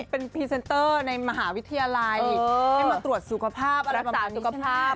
เป็นพรีเซนเตอร์ในมหาวิทยาลัยให้มาตรวจสุขภาพอะไรประมาณนี้ใช่ไหม